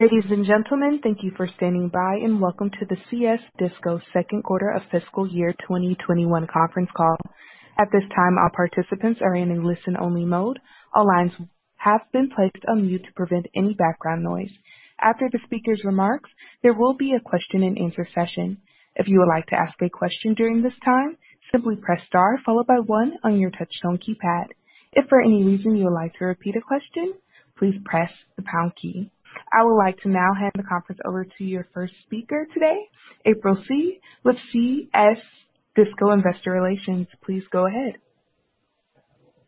Ladies and gentlemen, thank you for standing by, and welcome to the CS Disco second quarter of fiscal year 2021 conference call. At this time, all participants are in a listen-only mode. All lines have been placed on mute to prevent any background noise. After the speaker's remarks, there will be a question and answer session. If you would like to ask a question during this time, simply press star followed by one on your touchtone keypad. If for any reason you would like to repeat a question, please press the pound key. I would like to now hand the conference over to your first speaker today, April Scee, with CS Disco Investor Relations. Please go ahead.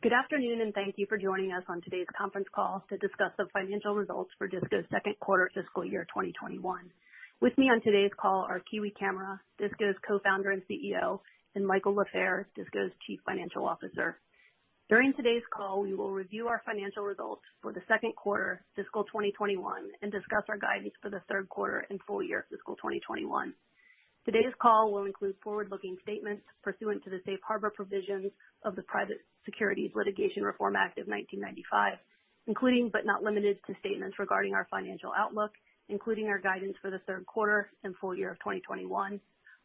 Good afternoon, and thank you for joining us on today's conference call to discuss the financial results for Disco's second quarter fiscal year 2021. With me on today's call are Kiwi Camara, DISCO's Co-founder and CEO, and Michael Lafair, DISCO's Chief Financial Officer. During today's call, we will review our financial results for the second quarter fiscal 2021, and discuss our guidance for the third quarter and full year fiscal 2021. Today's call will include forward-looking statements pursuant to the safe harbor provisions of the Private Securities Litigation Reform Act of 1995, including but not limited to statements regarding our financial outlook, including our guidance for the third quarter and full year of 2021,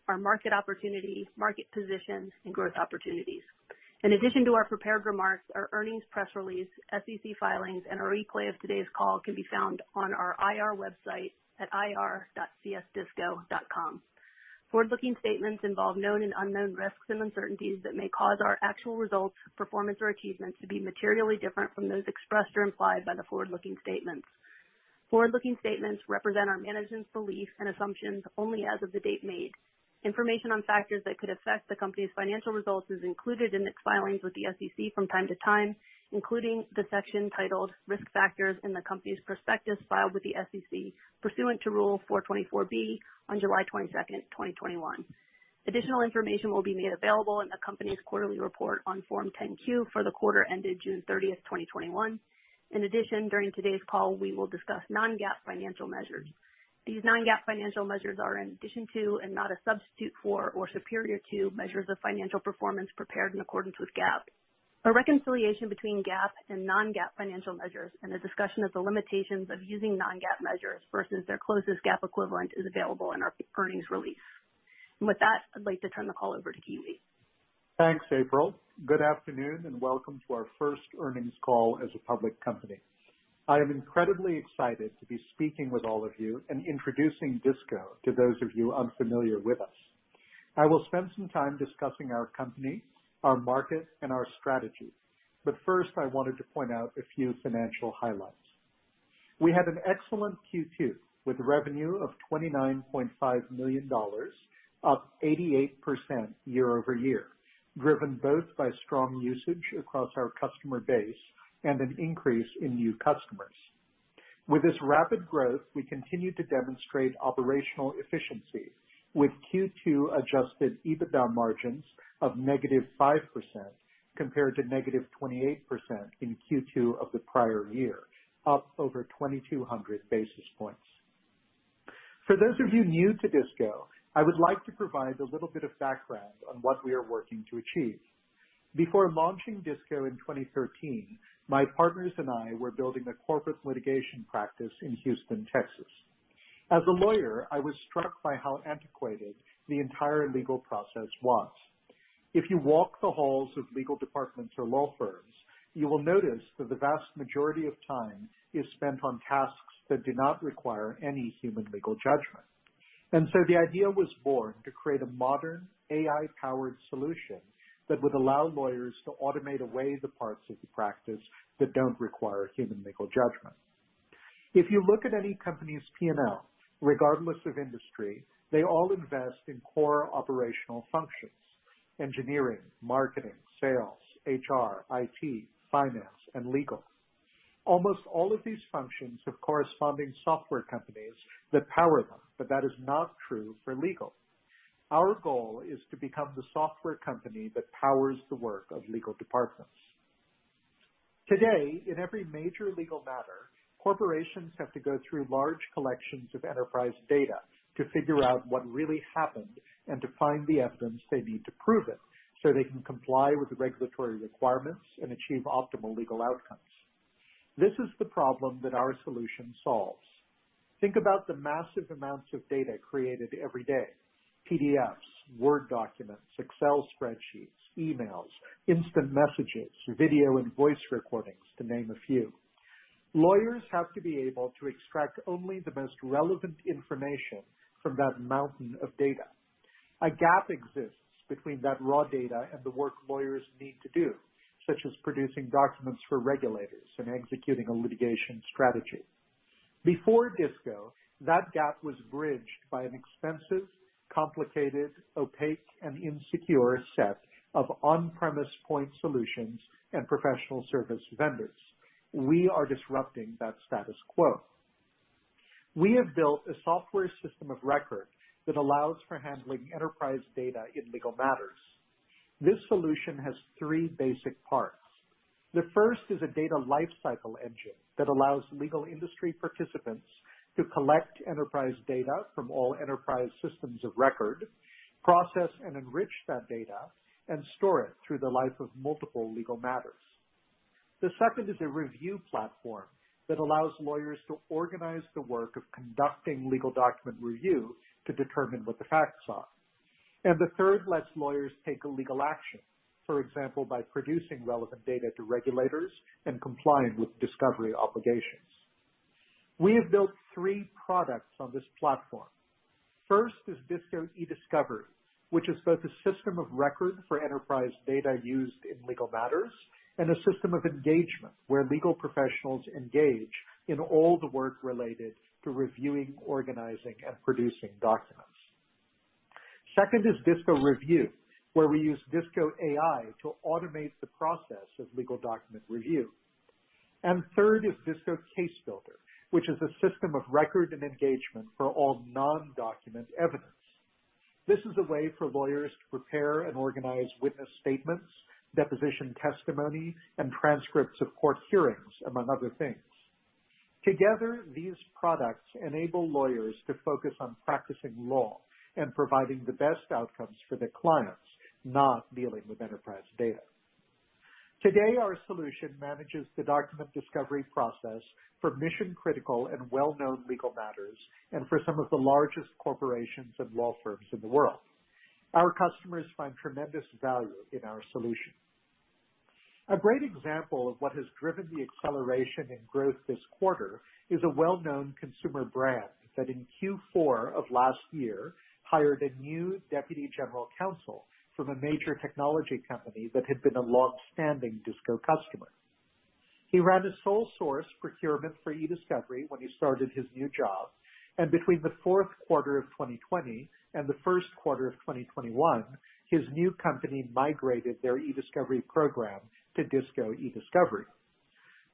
our market opportunity, market position, and growth opportunities. In addition to our prepared remarks, our earnings press release, SEC filings, and a replay of today's call can be found on our IR website at ir.csdisco.com. Forward-looking statements involve known and unknown risks and uncertainties that may cause our actual results, performance, or achievements to be materially different from those expressed or implied by the forward-looking statements. Forward-looking statements represent our management's beliefs and assumptions only as of the date made. Information on factors that could affect the company's financial results is included in its filings with the SEC from time to time, including the section titled Risk Factors in the company's prospectus filed with the SEC pursuant to Rule 424 on July 22nd, 2021. Additional information will be made available in the company's quarterly report on Form 10-Q for the quarter ended June 30th, 2021. In addition, during today's call, we will discuss non-GAAP financial measures. These non-GAAP financial measures are in addition to and not a substitute for or superior to measures of financial performance prepared in accordance with GAAP. A reconciliation between GAAP and non-GAAP financial measures and a discussion of the limitations of using non-GAAP measures versus their closest GAAP equivalent is available in our earnings release. With that, I'd like to turn the call over to Kiwi. Thanks, April. Good afternoon, welcome to our first earnings call as a public company. I am incredibly excited to be speaking with all of you and introducing DISCO to those of you unfamiliar with us. I will spend some time discussing our company, our market, and our strategy. First, I wanted to point out a few financial highlights. We had an excellent Q2 with revenue of $29.5 million, up 88% year-over-year, driven both by strong usage across our customer base and an increase in new customers. With this rapid growth, we continued to demonstrate operational efficiency with Q2 adjusted EBITDA margins of negative 5% compared to negative 28% in Q2 of the prior year, up over 2,200 basis points. For those of you new to DISCO, I would like to provide a little bit of background on what we are working to achieve. Before launching DISCO in 2013, my partners and I were building a corporate litigation practice in Houston, Texas. As a lawyer, I was struck by how antiquated the entire legal process was. If you walk the halls of legal departments or law firms, you will notice that the vast majority of time is spent on tasks that do not require any human legal judgment. The idea was born to create a modern AI-powered solution that would allow lawyers to automate away the parts of the practice that don't require human legal judgment. If you look at any company's P&L, regardless of industry, they all invest in core operational functions, engineering, marketing, sales, HR, IT, finance, and legal. Almost all of these functions have corresponding software companies that power them, but that is not true for legal. Our goal is to become the software company that powers the work of legal departments. Today, in every major legal matter, corporations have to go through large collections of enterprise data to figure out what really happened and to find the evidence they need to prove it, so they can comply with the regulatory requirements and achieve optimal legal outcomes. This is the problem that our solution solves. Think about the massive amounts of data created every day, PDFs, Word documents, Excel spreadsheets, emails, instant messages, video and voice recordings, to name a few. Lawyers have to be able to extract only the most relevant information from that mountain of data. A gap exists between that raw data and the work lawyers need to do, such as producing documents for regulators and executing a litigation strategy. Before DISCO, that gap was bridged by an expensive, complicated, opaque, and insecure set of on-premise point solutions and professional service vendors. We are disrupting that status quo. We have built a software system of record that allows for handling enterprise data in legal matters. This solution has three basic parts. The first is a data lifecycle engine that allows legal industry participants to collect enterprise data from all enterprise systems of record, process and enrich that data, and store it through the life of multiple legal matters. The second is a review platform that allows lawyers to organize the work of conducting legal document review to determine what the facts are. The third lets lawyers take a legal action, for example, by producing relevant data to regulators and complying with discovery obligations. We have built three products on this platform. First is DISCO Ediscovery, which is both a system of record for enterprise data used in legal matters and a system of engagement where legal professionals engage in all the work related to reviewing, organizing, and producing documents. Second is DISCO Review, where we use DISCO AI to automate the process of legal document review. Third is DISCO Case Builder, which is a system of record and engagement for all non-document evidence. This is a way for lawyers to prepare and organize witness statements, deposition testimony, and transcripts of court hearings, among other things. Together, these products enable lawyers to focus on practicing law and providing the best outcomes for their clients, not dealing with enterprise data. Today, our solution manages the document discovery process for mission-critical and well-known legal matters and for some of the largest corporations and law firms in the world. Our customers find tremendous value in our solution. A great example of what has driven the acceleration in growth this quarter is a well-known consumer brand that in Q4 of last year hired a new deputy general counsel from a major technology company that had been a longstanding DISCO customer. He ran a sole source procurement for eDiscovery when he started his new job, between the fourth quarter of 2020 and the first quarter of 2021, his new company migrated their eDiscovery program to DISCO Ediscovery.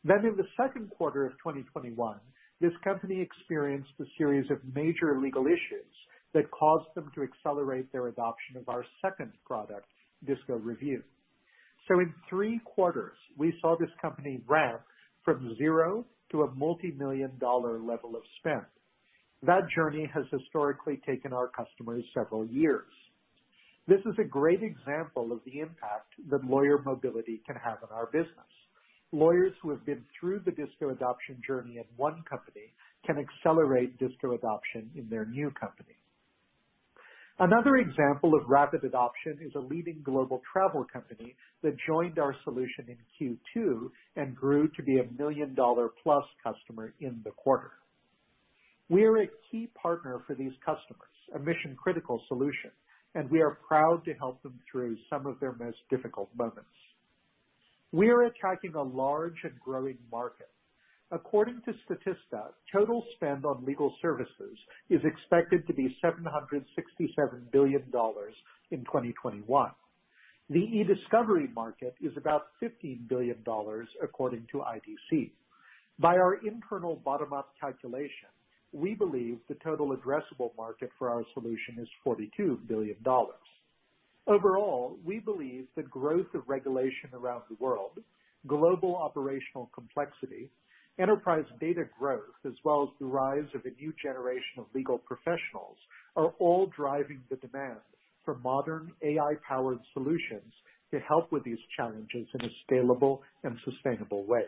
In the second quarter of 2021, this company experienced a series of major legal issues that caused them to accelerate their adoption of our second product, DISCO Review. In three quarters, we saw this company ramp from zero to a multimillion-dollar level of spend. That journey has historically taken our customers several years. This is a great example of the impact that lawyer mobility can have on our business. Lawyers who have been through the DISCO adoption journey at one company can accelerate DISCO adoption in their new company. Another example of rapid adoption is a leading global travel company that joined our solution in Q2 and grew to be a million-dollar-plus customer in the quarter. We are a key partner for these customers, a mission-critical solution, and we are proud to help them through some of their most difficult moments. We are attacking a large and growing market. According to Statista, total spend on legal services is expected to be $767 billion in 2021. The eDiscovery market is about $15 billion, according to IDC. By our internal bottom-up calculation, we believe the total addressable market for our solution is $42 billion. Overall, we believe the growth of regulation around the world, global operational complexity, enterprise data growth, as well as the rise of a new generation of legal professionals, are all driving the demand for modern AI-powered solutions to help with these challenges in a scalable and sustainable way.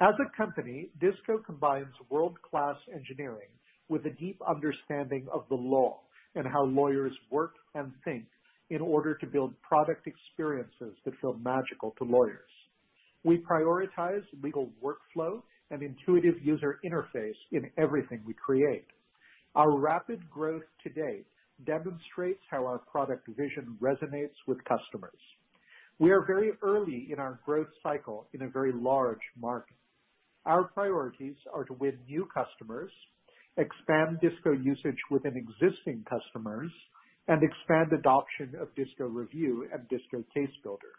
As a company, DISCO combines world-class engineering with a deep understanding of the law and how lawyers work and think in order to build product experiences that feel magical to lawyers. We prioritize legal workflow and intuitive user interface in everything we create. Our rapid growth to date demonstrates how our product vision resonates with customers. We are very early in our growth cycle in a very large market. Our priorities are to win new customers, expand DISCO usage within existing customers, and expand adoption of DISCO Review and DISCO Case Builder.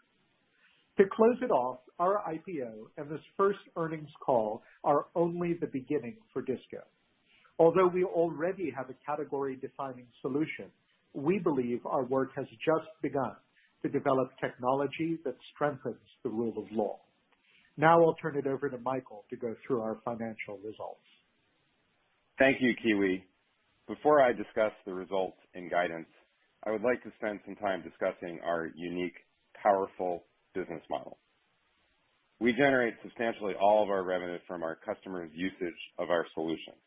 To close it off, our IPO and this first earnings call are only the beginning for DISCO. Although we already have a category-defining solution, we believe our work has just begun to develop technology that strengthens the rule of law. Now, I'll turn it over to Michael to go through our financial results. Thank you, Kiwi. Before I discuss the results and guidance, I would like to spend some time discussing our unique, powerful business model. We generate substantially all of our revenue from our customers' usage of our solutions.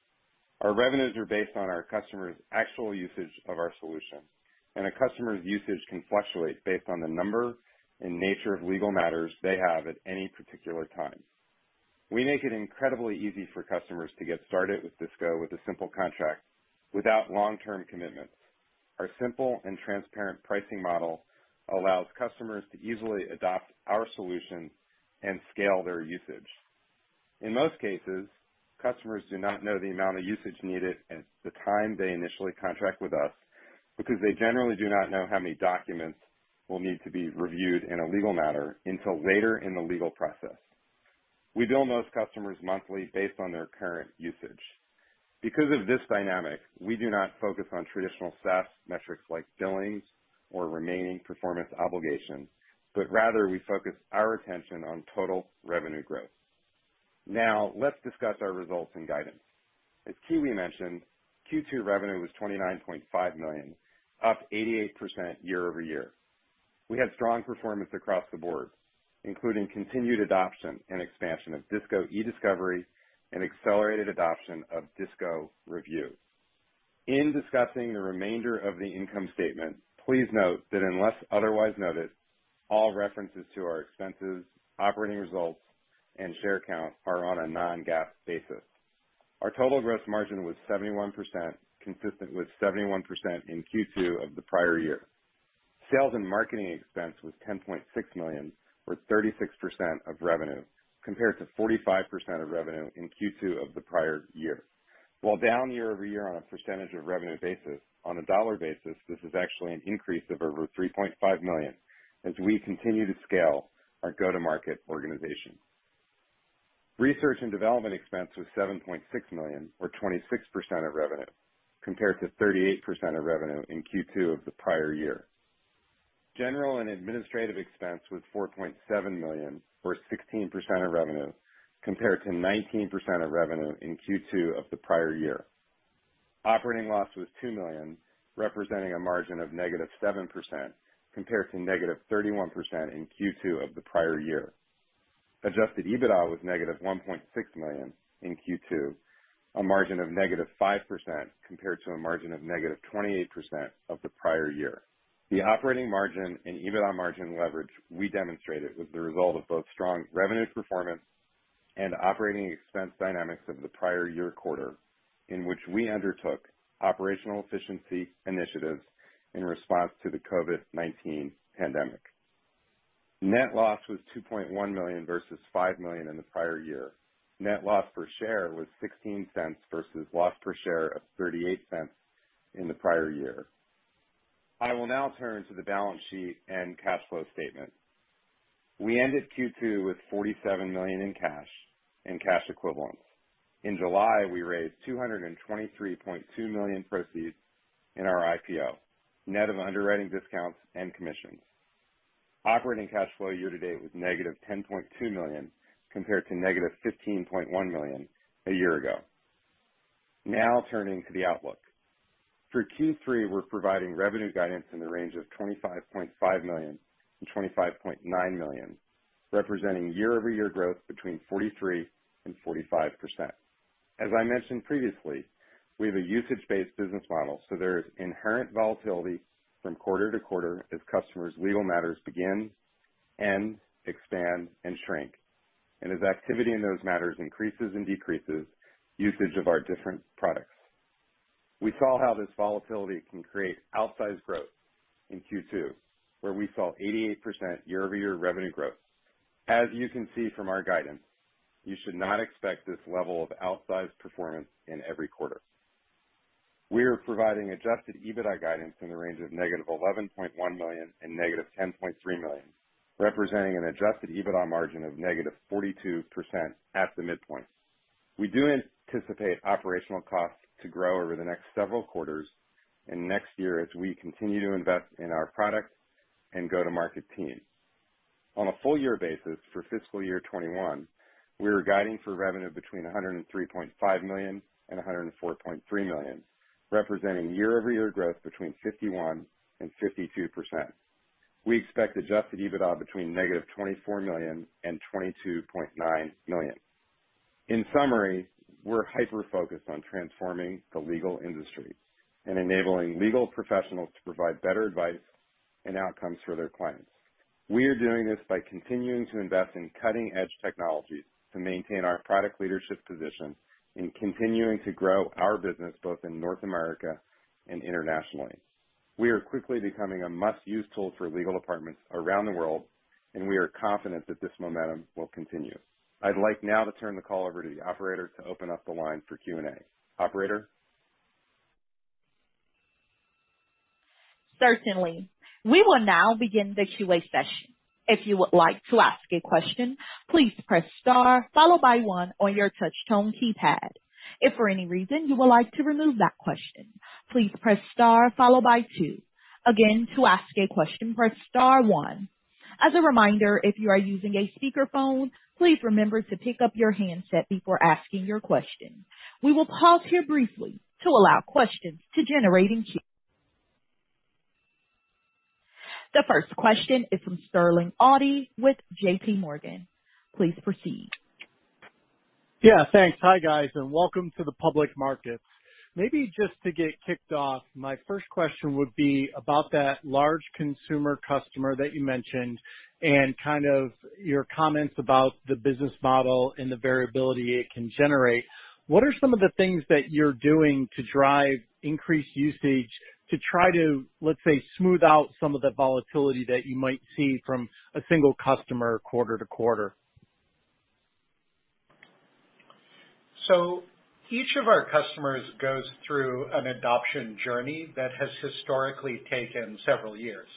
Our revenues are based on our customers' actual usage of our solution, and a customer's usage can fluctuate based on the number and nature of legal matters they have at any particular time. We make it incredibly easy for customers to get started with DISCO with a simple contract without long-term commitments. Our simple and transparent pricing model allows customers to easily adopt our solution and scale their usage. In most cases, customers do not know the amount of usage needed at the time they initially contract with us because they generally do not know how many documents will need to be reviewed in a legal matter until later in the legal process. We bill most customers monthly based on their current usage. Because of this dynamic, we do not focus on traditional SaaS metrics like billings or remaining performance obligations, but rather we focus our attention on total revenue growth. Let's discuss our results and guidance. As Kiwi mentioned, Q2 revenue was $29.5 million, up 88% year-over-year. We had strong performance across the board, including continued adoption and expansion of DISCO Ediscovery and accelerated adoption of DISCO Review. In discussing the remainder of the income statement, please note that unless otherwise noted, all references to our expenses, operating results, and share count are on a non-GAAP basis. Our total gross margin was 71%, consistent with 71% in Q2 of the prior year. Sales and Marketing expense was $10.6 million, or 36% of revenue, compared to 45% of revenue in Q2 of the prior year. While down year-over-year on a percentage of revenue basis, on a dollar basis, this is actually an increase of over $3.5 million as we continue to scale our go-to-market organization. Research and development expense was $7.6 million, or 26% of revenue, compared to 38% of revenue in Q2 of the prior year. General and administrative expense was $4.7 million, or 16% of revenue, compared to 19% of revenue in Q2 of the prior year. Operating loss was $2 million, representing a margin of -7%, compared to -31% in Q2 of the prior year. Adjusted EBITDA was -$1.6 million in Q2, a margin of -5%, compared to a margin of -28% of the prior year. The operating margin and EBITDA margin leverage we demonstrated was the result of both strong revenue performance and operating expense dynamics of the prior year quarter, in which we undertook operational efficiency initiatives in response to the COVID-19 pandemic. Net loss was $2.1 million versus $5 million in the prior year. Net loss per share was $0.16 versus loss per share of $0.38 in the prior year. I will now turn to the balance sheet and cash flow statement. We ended Q2 with $47 million in cash and cash equivalents. In July, we raised $223.2 million proceeds in our IPO, net of underwriting discounts and commissions. Operating cash flow year-to-date was negative $10.2 million, compared to negative $15.1 million a year ago. Now, turning to the outlook. For Q3, we're providing revenue guidance in the range of $25.5 million-$25.9 million, representing year-over-year growth between 43%-45%. As I mentioned previously, we have a usage-based business model, so there is inherent volatility from quarter to quarter as customers' legal matters begin, end, expand, and shrink. As activity in those matters increases and decreases, usage of our different products. We saw how this volatility can create outsized growth in Q2, where we saw 88% year-over-year revenue growth. As you can see from our guidance, you should not expect this level of outsized performance in every quarter. We are providing adjusted EBITDA guidance in the range of -$11.1 million and -$10.3 million, representing an adjusted EBITDA margin of -42% at the midpoint. We do anticipate operational costs to grow over the next several quarters and next year as we continue to invest in our product and go-to-market team. On a full year basis for fiscal year 2021, we are guiding for revenue between $103.5 million and $104.3 million, representing year-over-year growth between 51% and 52%. We expect adjusted EBITDA between -$24 million and $22.9 million. In summary, we're hyper-focused on transforming the legal industry and enabling legal professionals to provide better advice and outcomes for their clients. We are doing this by continuing to invest in cutting-edge technologies to maintain our product leadership position and continuing to grow our business, both in North America and internationally. We are quickly becoming a must-use tool for legal departments around the world, and we are confident that this momentum will continue. I'd like now to turn the call over to the operator to open up the line for Q&A. Operator? Certainly. We will now begin the Q&A session. If you would like to ask a question, please press star, followed by one on your touch tone keypad. If for any reason you would like to remove that question, please press star followed by two. Again, to ask a question, press star one. As a reminder, if you are using a speakerphone, please remember to pick up your handset before asking your question. We will pause here briefly to allow questions to generate in queue. The first question is from Sterling Auty with JPMorgan. Please proceed. Yeah, thanks. Hi, guys, and welcome to the public market. Maybe just to get kicked off, my first question would be about that large consumer customer that you mentioned and kind of your comments about the business model and the variability it can generate. What are some of the things that you're doing to drive increased usage to try to, let's say, smooth out some of the volatility that you might see from a single customer quarter to quarter? Each of our customers goes through an adoption journey that has historically taken several years.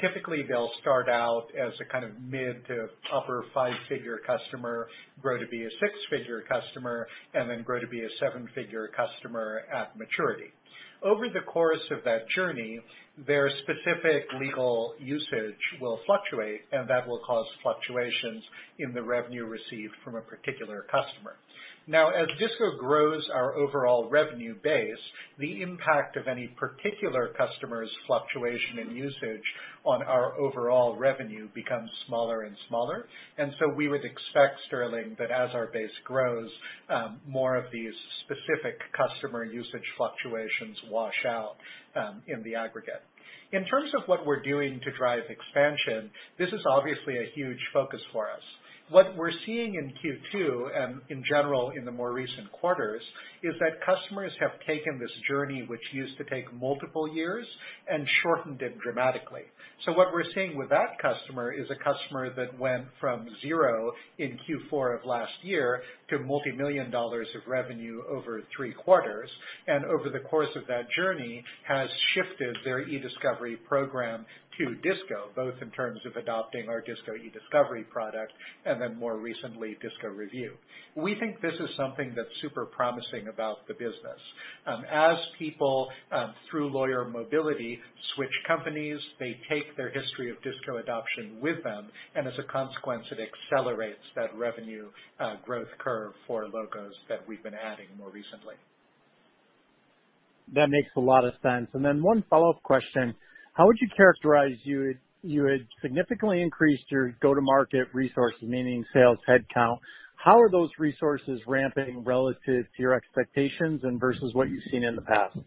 Typically, they'll start out as a kind of mid to upper five-figure customer, grow to be a six-figure customer, and then grow to be a seven-figure customer at maturity. Over the course of that journey, their specific legal usage will fluctuate, and that will cause fluctuations in the revenue received from a particular customer. As DISCO grows our overall revenue base, the impact of any particular customer's fluctuation in usage on our overall revenue becomes smaller and smaller. We would expect, Sterling, that as our base grows, more of these specific customer usage fluctuations wash out in the aggregate. In terms of what we're doing to drive expansion, this is obviously a huge focus for us. What we're seeing in Q2, and in general in the more recent quarters, is that customers have taken this journey, which used to take multiple years, and shortened it dramatically. What we're seeing with that customer is a customer that went from zero in Q4 of last year to multimillion dollars of revenue over three quarters, and over the course of that journey has shifted their eDiscovery program to DISCO, both in terms of adopting our DISCO Ediscovery product, and then more recently, DISCO Review. We think this is something that's super promising about the business. As people, through lawyer mobility, switch companies, they take their history of DISCO adoption with them, and as a consequence, it accelerates that revenue growth curve for logos that we've been adding more recently. That makes a lot of sense. One follow-up question. How would you characterize, you had significantly increased your go-to-market resources, meaning sales headcount. How are those resources ramping relative to your expectations and versus what you've seen in the past?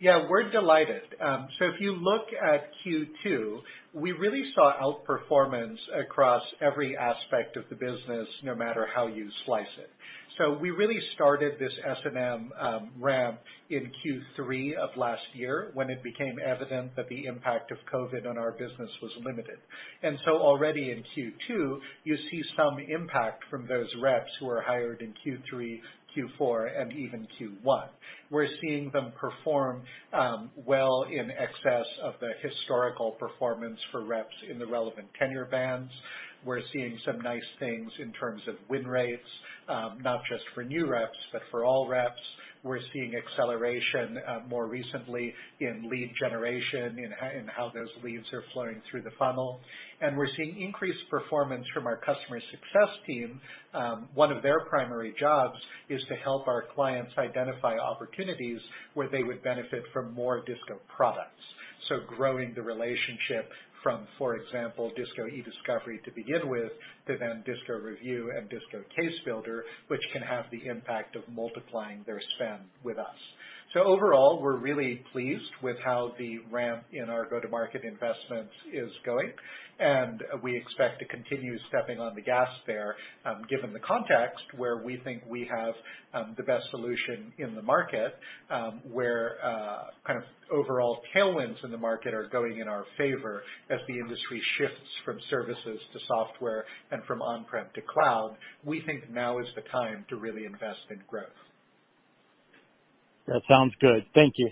Yeah, we're delighted. If you look at Q2, we really saw outperformance across every aspect of the business, no matter how you slice it. We really started this S&M ramp in Q3 of last year when it became evident that the impact of COVID on our business was limited. Already in Q2, you see some impact from those reps who were hired in Q3, Q4, and even Q1. We're seeing them perform well in excess of the historical performance for reps in the relevant tenure bands. We're seeing some nice things in terms of win rates, not just for new reps, but for all reps. We're seeing acceleration more recently in lead generation, in how those leads are flowing through the funnel. We're seeing increased performance from our customer success team. One of their primary jobs is to help our clients identify opportunities where they would benefit from more DISCO products. Growing the relationship from, for example, DISCO Ediscovery to begin with, to then DISCO Review and DISCO Case Builder, which can have the impact of multiplying their spend with us. Overall, we're really pleased with how the ramp in our go-to-market investments is going, and we expect to continue stepping on the gas there, given the context where we think we have the best solution in the market. Where overall tailwinds in the market are going in our favor as the industry shifts from services to software and from on-prem to cloud. We think now is the time to really invest in growth. That sounds good. Thank you.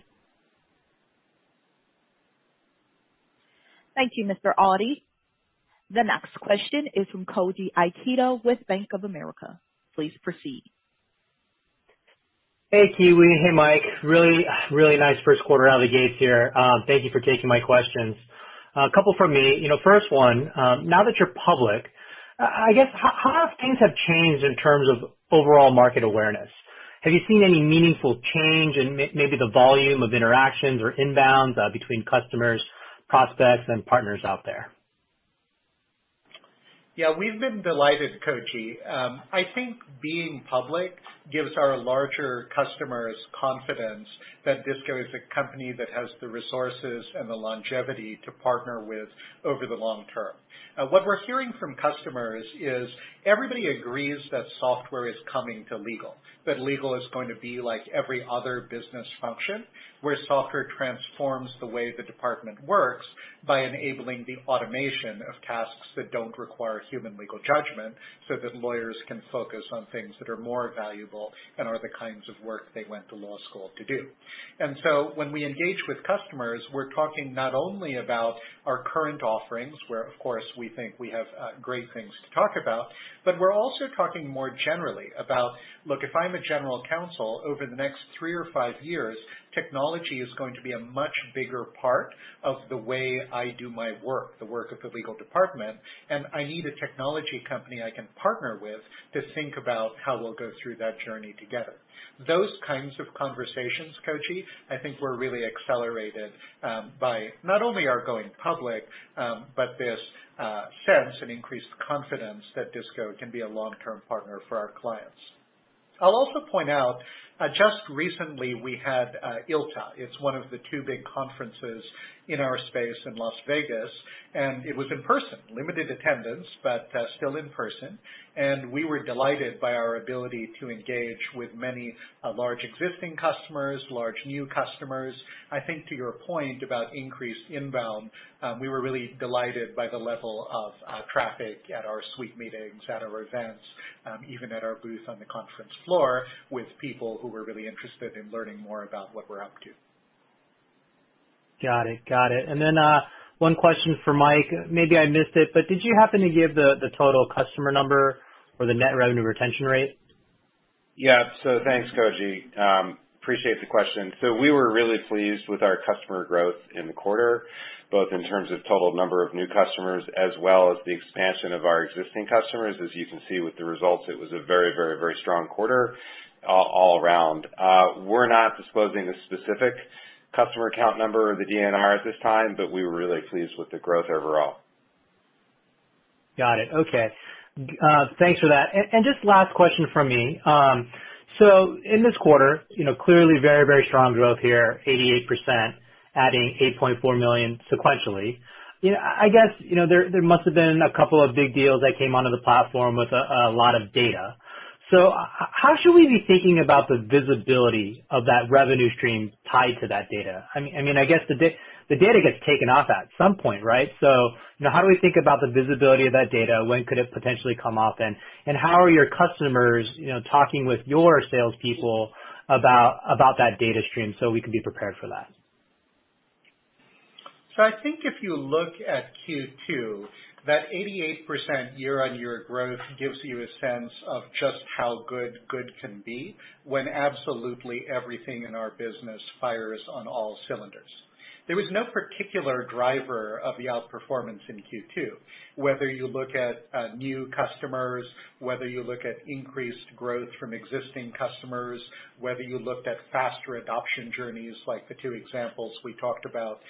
Thank you, Mr. Auty. The next question is from Koji Ikeda with Bank of America. Please proceed. Hey, Kiwi. Hey, Mike. Really nice first quarter out of the gates here. Thank you for taking my questions. A couple from me. First one, now that you're public, I guess how have things changed in terms of overall market awareness? Have you seen any meaningful change in maybe the volume of interactions or inbounds between customers, prospects, and partners out there? Yeah, we've been delighted, Koji. I think being public gives our larger customers confidence that DISCO is a company that has the resources and the longevity to partner with over the long term. What we're hearing from customers is everybody agrees that software is coming to legal, that legal is going to be like every other business function, where software transforms the way the department works by enabling the automation of tasks that don't require human legal judgment so that lawyers can focus on things that are more valuable and are the kinds of work they went to law school to do. When we engage with customers, we're talking not only about our current offerings, where, of course, we think we have great things to talk about, but we're also talking more generally about, look, if I'm a general counsel, over the next three or five years, technology is going to be a much bigger part of the way I do my work, the work of the legal department, and I need a technology company I can partner with to think about how we'll go through that journey together. Those kinds of conversations, Koji, I think were really accelerated by not only our going public, but this sense and increased confidence that DISCO can be a long-term partner for our clients. I'll also point out, just recently, we had ILTA. It's one of the two big conferences in our space in Las Vegas, and it was in person, limited attendance, but still in person. We were delighted by our ability to engage with many large existing customers, large new customers. I think to your point about increased inbound, we were really delighted by the level of traffic at our suite meetings, at our events, even at our booth on the conference floor with people who were really interested in learning more about what we're up to. Got it. One question for Mike, maybe I missed it, but did you happen to give the total customer number or the Net Revenue Retention rate? Yeah. Thanks, Koji. Appreciate the question. We were really pleased with our customer growth in the quarter, both in terms of total number of new customers as well as the expansion of our existing customers. As you can see with the results, it was a very strong quarter all around. We're not disclosing the specific customer account number or the NRR at this time, but we were really pleased with the growth overall. Got it. Okay. Thanks for that. Just last question from me. In this quarter, clearly very strong growth here, 88%, adding $8.4 million sequentially. I guess, there must have been a couple of big deals that came onto the platform with a lot of data. How should we be thinking about the visibility of that revenue stream tied to that data? I guess the data gets taken off at some point, right? How do we think about the visibility of that data? When could it potentially come off and how are your customers talking with your salespeople about that data stream so we can be prepared for that? I think if you look at Q2, that 88% year-on-year growth gives you a sense of just how good good can be when absolutely everything in our business fires on all cylinders. There was no particular driver of the outperformance in Q2. Whether you look at new customers, whether you look at increased growth from existing customers, whether you looked at faster adoption journeys like the two examples we talked about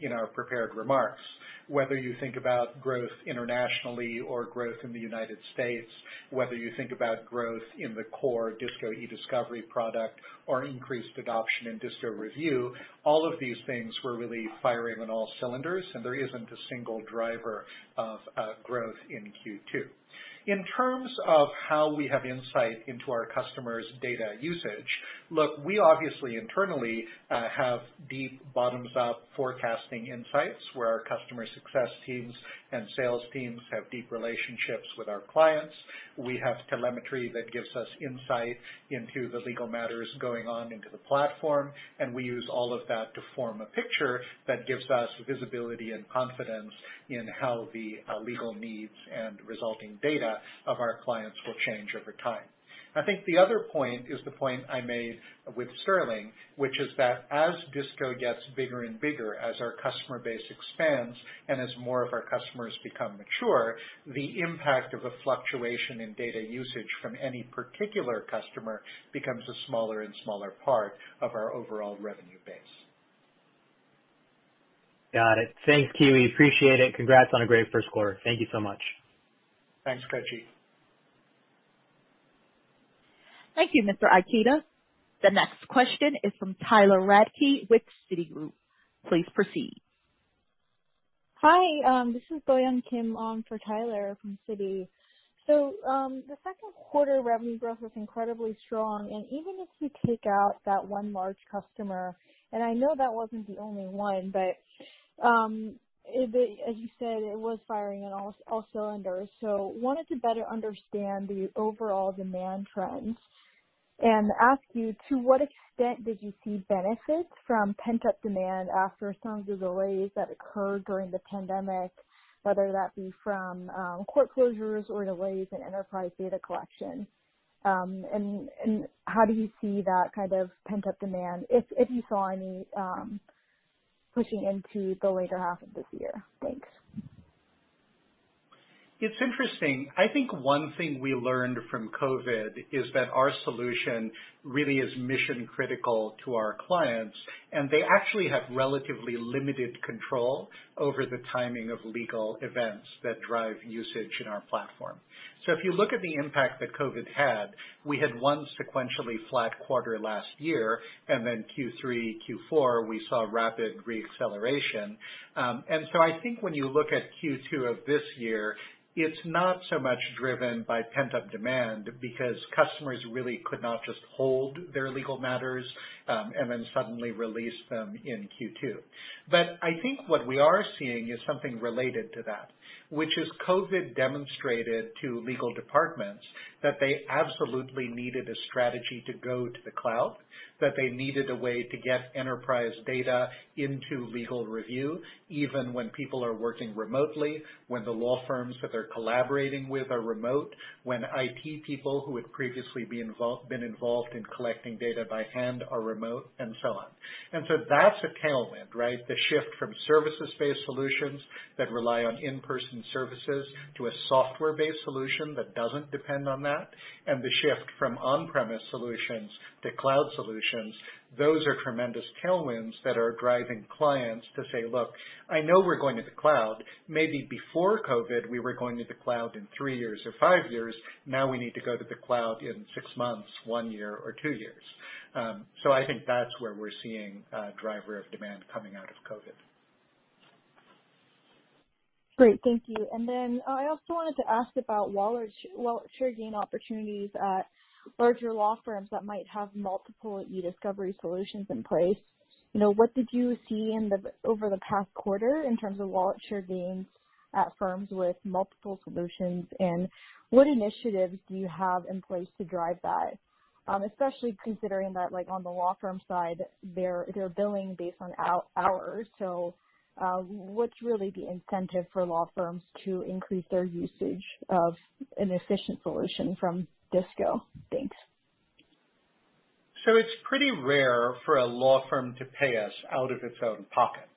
in our prepared remarks, whether you think about growth internationally or growth in the United States, whether you think about growth in the core DISCO Ediscovery product or increased adoption in DISCO Review, all of these things were really firing on all cylinders. There isn't a single driver of growth in Q2. In terms of how we have insight into our customers' data usage, look, we obviously internally have deep bottoms-up forecasting insights where our customer success teams and sales teams have deep relationships with our clients. We use all of that to form a picture that gives us visibility and confidence in how the legal needs and resulting data of our clients will change over time. I think the other point is the point I made with Sterling, which is that as DISCO gets bigger and bigger, as our customer base expands, and as more of our customers become mature, the impact of a fluctuation in data usage from any particular customer becomes a smaller and smaller part of our overall revenue base. Got it. Thanks, Kiwi. Appreciate it. Congrats on a great first quarter. Thank you so much. Thanks, Koji. Thank you, Mr. Ikeda. The next question is from Tyler Radke with Citigroup. Please proceed. Hi, this is Boyoung Kim on for Tyler Radke from Citi. The second quarter revenue growth was incredibly strong, and even if you take out that 1 large customer, and I know that wasn't the only one, but, as you said, it was firing on all cylinders. Wanted to better understand the overall demand trends and ask you to what extent did you see benefits from pent-up demand after some of the delays that occurred during the pandemic, whether that be from court closures or delays in enterprise data collection? How do you see that kind of pent-up demand, if you saw any, pushing into the later half of this year? Thanks. It's interesting. I think one thing we learned from COVID is that our solution really is mission-critical to our clients, and they actually have relatively limited control over the timing of legal events that drive usage in our platform. If you look at the impact that COVID had, we had one sequentially flat quarter last year, then Q3, Q4, we saw rapid re-acceleration. I think when you look at Q2 of this year, it's not so much driven by pent-up demand because customers really could not just hold their legal matters, then suddenly release them in Q2. I think what we are seeing is something related to that, which is COVID demonstrated to legal departments that they absolutely needed a strategy to go to the cloud, that they needed a way to get enterprise data into legal review, even when people are working remotely, when the law firms that they're collaborating with are remote, when IT people who had previously been involved in collecting data by hand are remote, and so on. That's a tailwind, right? The shift from services-based solutions that rely on in-person services to a software-based solution that doesn't depend on that, and the shift from on-premise solutions to cloud solutions. Those are tremendous tailwinds that are driving clients to say, "Look, I know we're going to the cloud. Maybe before COVID, we were going to the cloud in three years or five years. Now we need to go to the cloud in six months, one year, or two years." I think that's where we're seeing a driver of demand coming out of COVID. Great. Thank you. I also wanted to ask about wallet share gain opportunities at larger law firms that might have multiple eDiscovery solutions in place. What did you see over the past quarter in terms of wallet share gains at firms with multiple solutions, and what initiatives do you have in place to drive that? Especially considering that on the law firm side, they're billing based on hours. What's really the incentive for law firms to increase their usage of an efficient solution from DISCO? Thanks. It's pretty rare for a law firm to pay us out of its own pocket.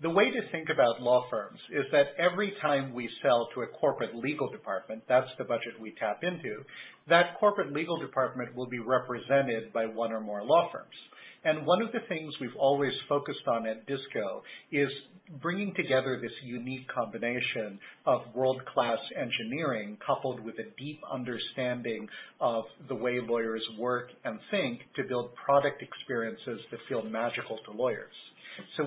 The way to think about law firms is that every time we sell to a corporate legal department, that's the budget we tap into, that corporate legal department will be represented by one or more law firms. One of the things we've always focused on at DISCO is bringing together this unique combination of world-class engineering coupled with a deep understanding of the way lawyers work and think to build product experiences that feel magical to lawyers.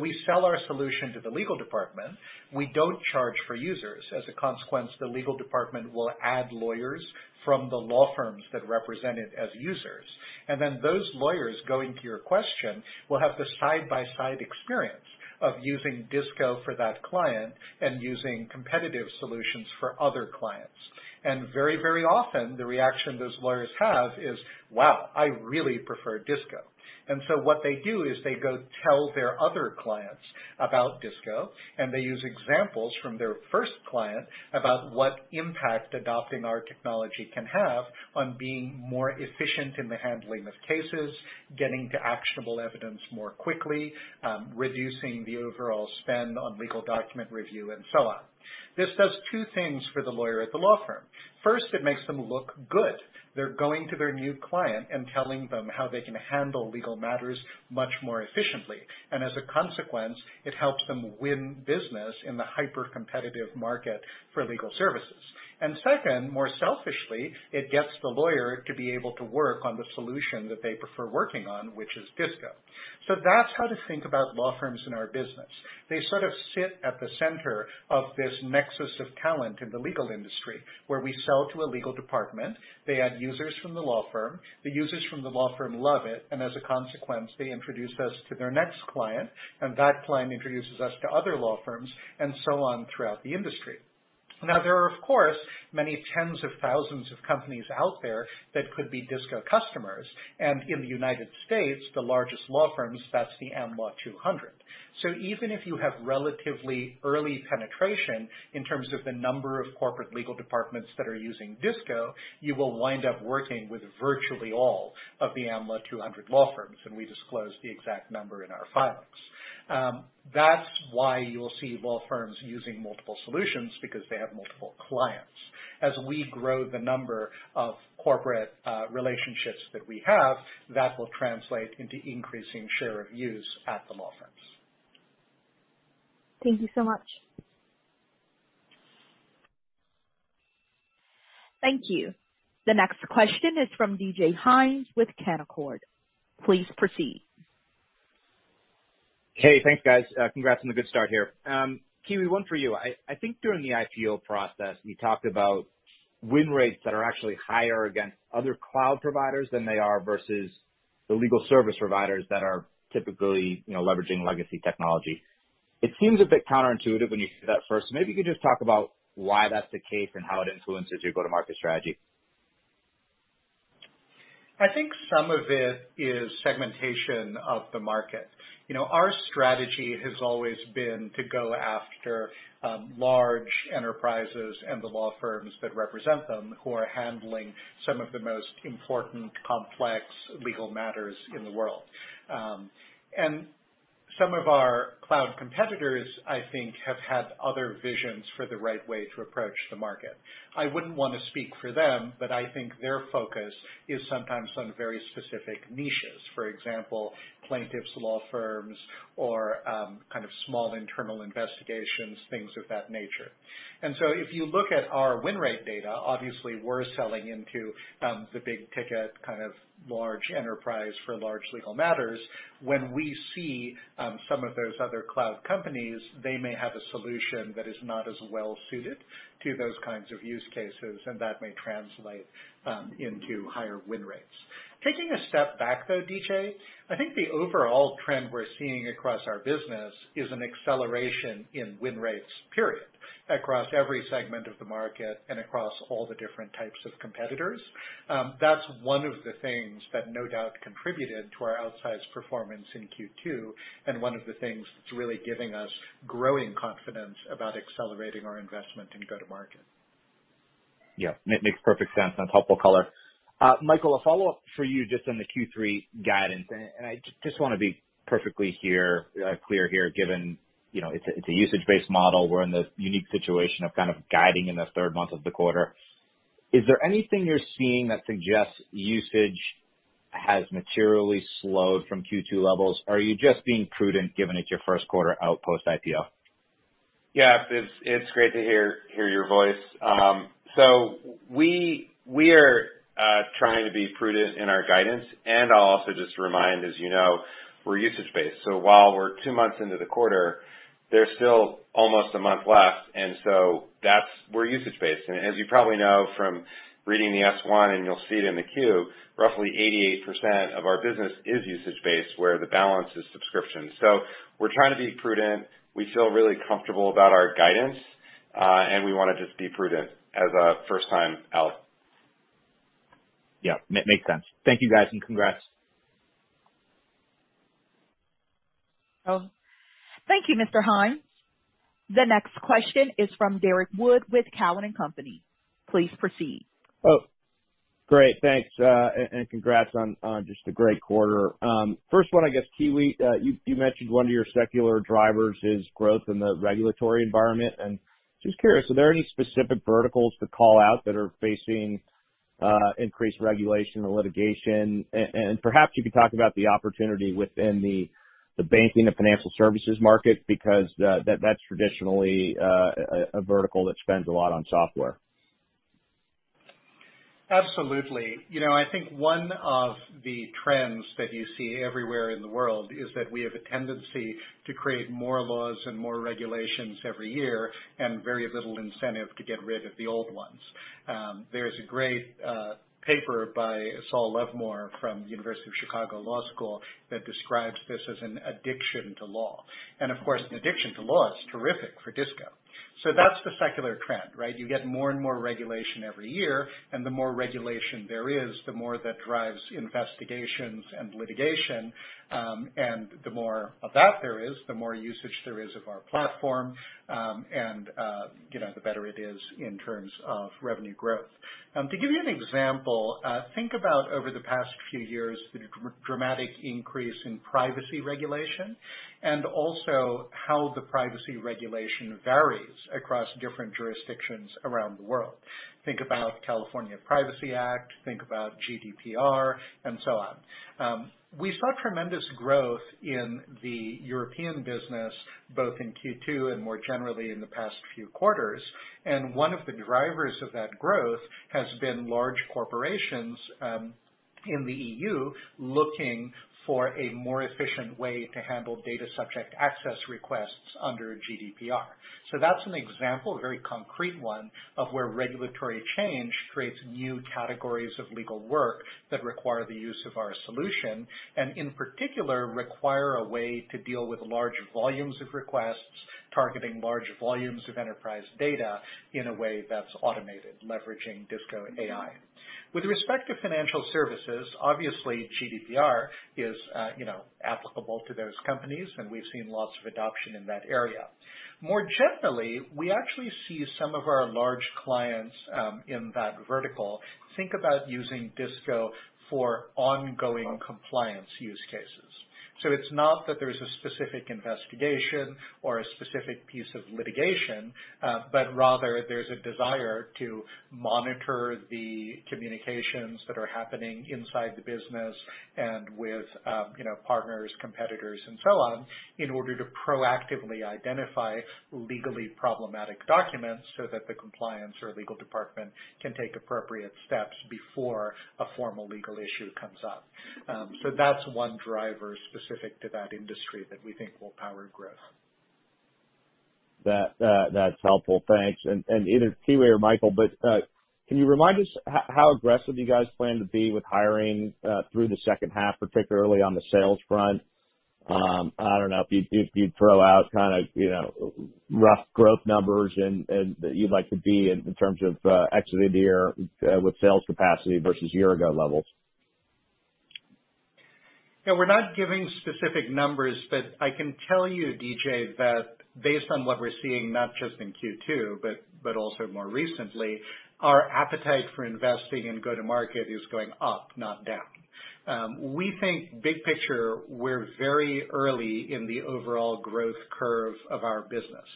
We sell our solution to the legal department. We don't charge for users. As a consequence, the legal department will add lawyers from the law firms that represent it as users. Those lawyers, going to your question, will have the side-by-side experience of using DISCO for that client and using competitive solutions for other clients. Very often, the reaction those lawyers have is, "Wow, I really prefer DISCO." What they do is they go tell their other clients about DISCO, and they use examples from their first client about what impact adopting our technology can have on being more efficient in the handling of cases, getting to actionable evidence more quickly, reducing the overall spend on legal document review, and so on. This does two things for the lawyer at the law firm. First, it makes them look good. They're going to their new client and telling them how they can handle legal matters much more efficiently. As a consequence, it helps them win business in the hyper-competitive market for legal services. Second, more selfishly, it gets the lawyer to be able to work on the solution that they prefer working on, which is DISCO. That's how to think about law firms in our business. They sort of sit at the center of this nexus of talent in the legal industry, where we sell to a legal department, they add users from the law firm, the users from the law firm love it, and as a consequence, they introduce us to their next client, and that client introduces us to other law firms, and so on throughout the industry. There are, of course, many tens of thousands of companies out there that could be DISCO customers. In the U.S., the largest law firms, that's the Am Law 200. Even if you have relatively early penetration in terms of the number of corporate legal departments that are using DISCO, you will wind up working with virtually all of the Am Law 200 law firms, and we disclose the exact number in our filings. That's why you'll see law firms using multiple solutions because they have multiple clients. As we grow the number of corporate relationships that we have, that will translate into increasing share of use at the law firms. Thank you so much. Thank you. The next question is from DJ Hynes with Canaccord. Please proceed. Hey, thanks, guys. Congrats on the good start here. Kiwi, one for you. I think during the IPO process, you talked about win rates that are actually higher against other cloud providers than they are versus the legal service providers that are typically leveraging legacy technology. It seems a bit counterintuitive when you hear that first. Maybe you could just talk about why that's the case and how it influences your go-to-market strategy. I think some of it is segmentation of the market. Our strategy has always been to go after large enterprises and the law firms that represent them, who are handling some of the most important, complex legal matters in the world. Some of our cloud competitors, I think, have had other visions for the right way to approach the market. I wouldn't want to speak for them, but I think their focus is sometimes on very specific niches. For example, plaintiffs' law firms or small internal investigations, things of that nature. If you look at our win rate data, obviously, we're selling into the big-ticket, large enterprise for large legal matters. When we see some of those other cloud companies, they may have a solution that is not as well-suited to those kinds of use cases, and that may translate into higher win rates. Taking a step back, though, DJ, I think the overall trend we're seeing across our business is an acceleration in win rates, period, across every segment of the market and across all the different types of competitors. That's one of the things that no doubt contributed to our outsized performance in Q2 and one of the things that's really giving us growing confidence about accelerating our investment in go-to-market. Yeah. Makes perfect sense and helpful color. Michael, a follow-up for you just on the Q3 guidance. I just want to be perfectly clear here, given it's a usage-based model, we're in the unique situation of guiding in the third month of the quarter. Is there anything you're seeing that suggests usage has materially slowed from Q2 levels? Are you just being prudent given it's your first quarter out post-IPO? Yeah. It's great to hear your voice. We are trying to be prudent in our guidance. I'll also just remind, as you know, we're usage-based. While we're two months into the quarter, there's still almost a month left. We're usage-based. As you probably know from reading the S1, and you'll see it in the Q, roughly 88% of our business is usage-based, where the balance is subscription. We're trying to be prudent. We feel really comfortable about our guidance. We want to just be prudent as a first-time out. Yeah. Makes sense. Thank you, guys, and congrats. Thank you, Mr. Hynes. The next question is from Derrick Wood with Cowen and Company. Please proceed. Great. Thanks, congrats on just a great quarter. First one, I guess, Kiwi, you mentioned one of your secular drivers is growth in the regulatory environment. Just curious, are there any specific verticals to call out that are facing increased regulation or litigation? Perhaps you could talk about the opportunity within the banking and financial services market, because that's traditionally a vertical that spends a lot on software. Absolutely. I think one of the trends that you see everywhere in the world is that we have a tendency to create more laws and more regulations every year, and very little incentive to get rid of the old ones. There's a great paper by Saul Levmore from University of Chicago Law School that describes this as an addiction to law. Of course, an addiction to law is terrific for DISCO. That's the secular trend, right? You get more and more regulation every year, and the more regulation there is, the more that drives investigations and litigation. The more of that there is, the more usage there is of our platform, and the better it is in terms of revenue growth. To give you an example, think about over the past few years, the dramatic increase in privacy regulation, and also how the privacy regulation varies across different jurisdictions around the world. Think about California Consumer Privacy Act, think about GDPR, and so on. We saw tremendous growth in the European business, both in Q2 and more generally in the past few quarters, and one of the drivers of that growth has been large corporations in the EU looking for a more efficient way to handle data subject access requests under GDPR. That's an example, a very concrete one, of where regulatory change creates new categories of legal work that require the use of our solution, and in particular, require a way to deal with large volumes of requests, targeting large volumes of enterprise data in a way that's automated, leveraging DISCO AI. With respect to financial services, obviously GDPR is applicable to those companies, and we've seen lots of adoption in that area. More generally, we actually see some of our large clients in that vertical think about using DISCO for ongoing compliance use cases. It's not that there's a specific investigation or a specific piece of litigation, but rather there's a desire to monitor the communications that are happening inside the business and with partners, competitors, and so on, in order to proactively identify legally problematic documents so that the compliance or legal department can take appropriate steps before a formal legal issue comes up. That's one driver specific to that industry that we think will power growth. That's helpful. Thanks. Either Kiwi or Michael, but can you remind us how aggressive you guys plan to be with hiring through the second half, particularly on the sales front? I don't know if you'd throw out rough growth numbers that you'd like to be in terms of exiting the year with sales capacity versus year-ago levels. We're not giving specific numbers, but I can tell you, DJ, that based on what we're seeing, not just in Q2, but also more recently, our appetite for investing in go-to-market is going up, not down. We think big picture, we're very early in the overall growth curve of our business.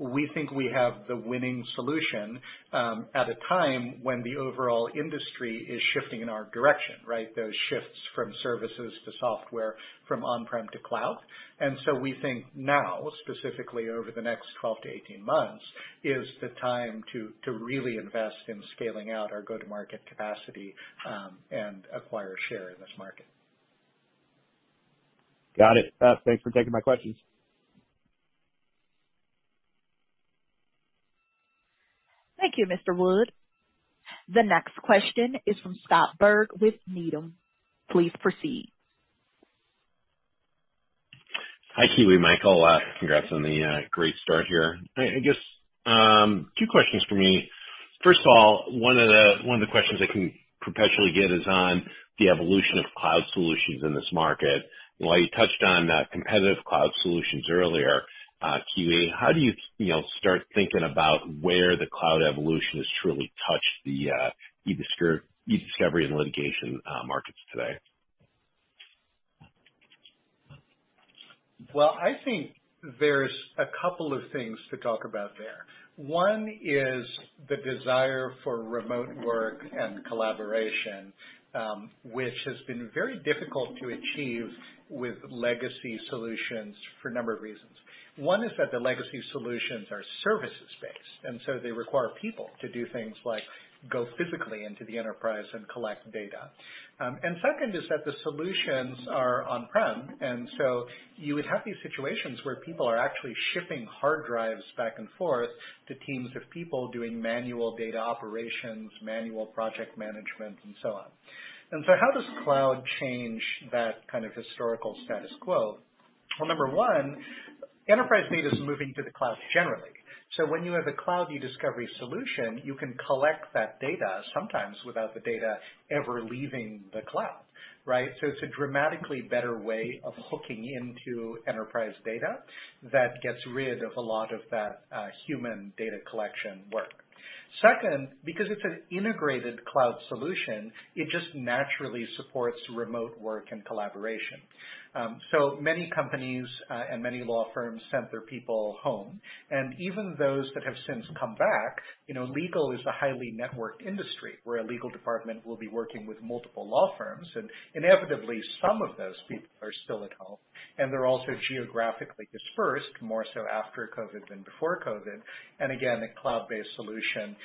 We think we have the winning solution at a time when the overall industry is shifting in our direction, right? Those shifts from services to software, from on-prem to cloud. We think now, specifically over the next 12-18 months, is the time to really invest in scaling out our go-to-market capacity, and acquire share in this market. Got it. Thanks for taking my questions. Thank you, Mr. Wood. The next question is from Scott Berg with Needham. Please proceed. Hi, Kiwi, Michael. Congrats on the great start here. I guess two questions for me. First of all, one of the questions I can perpetually get is on the evolution of cloud solutions in this market. While you touched on competitive cloud solutions earlier, Kiwi, how do you start thinking about where the cloud evolution has truly touched the eDiscovery and litigation markets today? Well, I think there's a couple of things to talk about there. One is the desire for remote work and collaboration, which has been very difficult to achieve with legacy solutions for a number of reasons. One is that the legacy solutions are services-based, and so they require people to do things like go physically into the enterprise and collect data. Second is that the solutions are on-prem, and so you would have these situations where people are actually shipping hard drives back and forth to teams of people doing manual data operations, manual project management, and so on. How does cloud change that kind of historical status quo? Well, number one, enterprise data is moving to the cloud generally. When you have a cloud eDiscovery solution, you can collect that data sometimes without the data ever leaving the cloud. Right? It's a dramatically better way of hooking into enterprise data that gets rid of a lot of that human data collection work. Second, because it's an integrated cloud solution, it just naturally supports remote work and collaboration. Many companies and many law firms sent their people home, and even those that have since come back, legal is a highly networked industry, where a legal department will be working with multiple law firms. Inevitably, some of those people are still at home, and they're also geographically dispersed, more so after COVID than before COVID. Again, a cloud-based solution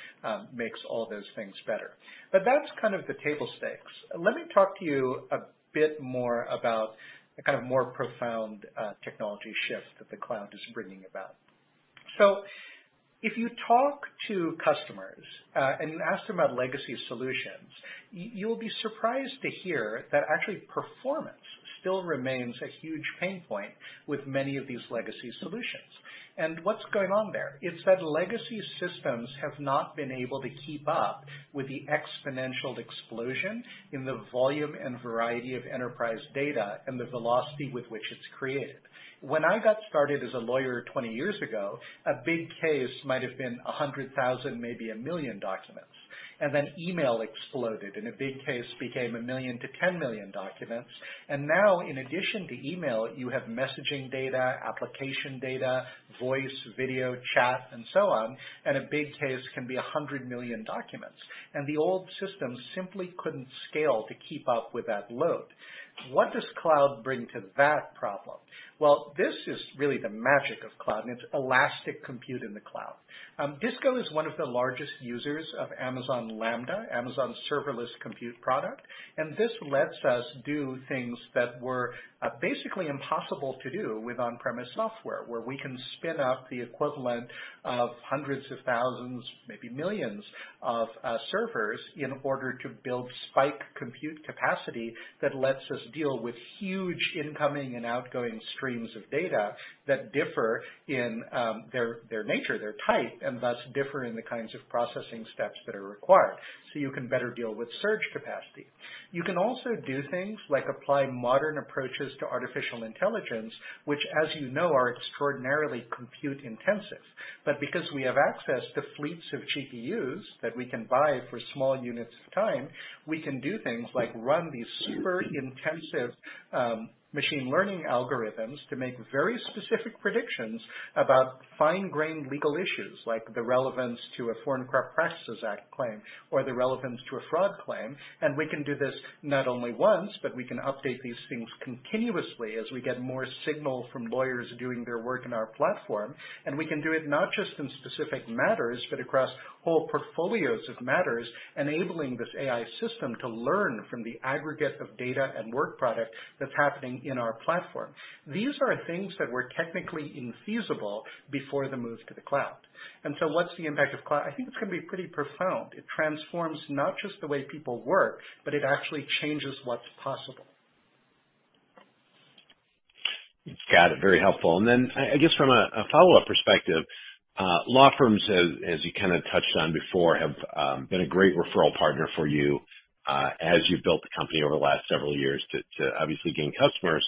makes all those things better. That's kind of the table stakes. Let me talk to you a bit more about the kind of more profound technology shift that the cloud is bringing about. If you talk to customers, and you ask them about legacy solutions, you'll be surprised to hear that actually performance still remains a huge pain point with many of these legacy solutions. What's going on there? It's that legacy systems have not been able to keep up with the exponential explosion in the volume and variety of enterprise data and the velocity with which it's created. When I got started as a lawyer 20 years ago, a big case might have been 100,000, maybe one million documents. Then email exploded, and a big case became a million to 10 million documents. Now, in addition to email, you have messaging data, application data, voice, video, chat, and so on, and a big case can be 100 million documents. The old system simply couldn't scale to keep up with that load. What does cloud bring to that problem? Well, this is really the magic of cloud, and it's elastic compute in the cloud. Disco is one of the largest users of AWS Lambda, Amazon's serverless compute product. This lets us do things that were basically impossible to do with on-premise software, where we can spin up the equivalent of hundreds of thousands, maybe millions, of servers in order to build spike compute capacity that lets us deal with huge incoming and outgoing streams of data that differ in their nature, their type, and thus differ in the kinds of processing steps that are required. You can better deal with search capacity. You can also do things like apply modern approaches to artificial intelligence, which, as you know, are extraordinarily compute intensive. Because we have access to fleets of GPUs that we can buy for small units of time, we can do things like run these super intensive machine learning algorithms to make very specific predictions about fine-grained legal issues, like the relevance to a Foreign Corrupt Practices Act claim, or the relevance to a fraud claim. We can do this not only once, but we can update these things continuously as we get more signal from lawyers doing their work in our platform. We can do it not just in specific matters, but across whole portfolios of matters, enabling this AI system to learn from the aggregate of data and work product that's happening in our platform. These are things that were technically infeasible before the move to the cloud. What's the impact of cloud? I think it's going to be pretty profound. It transforms not just the way people work, but it actually changes what's possible. Got it. Very helpful. Then I guess from a follow-up perspective, law firms, as you kind of touched on before, have been a great referral partner for you as you've built the company over the last several years to obviously gain customers.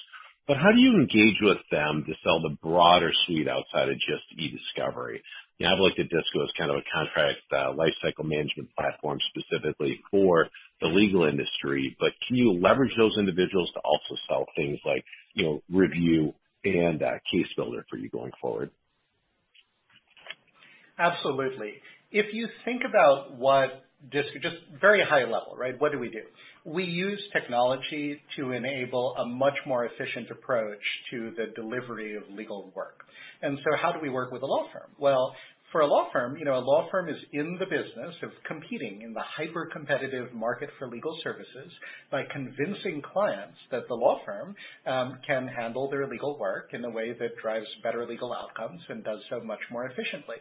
How do you engage with them to sell the broader suite outside of just eDiscovery? Now I've looked at DISCO as kind of a contract lifecycle management platform specifically for the legal industry, can you leverage those individuals to also sell things like Review and Case Builder for you going forward? Absolutely. If you think about what DISCO. Just very high level, right? What do we do? We use technology to enable a much more efficient approach to the delivery of legal work. How do we work with a law firm? Well, for a law firm, a law firm is in the business of competing in the hyper-competitive market for legal services by convincing clients that the law firm can handle their legal work in a way that drives better legal outcomes and does so much more efficiently.